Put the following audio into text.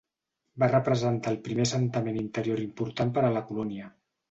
Va representar el primer assentament interior important per a la colònia.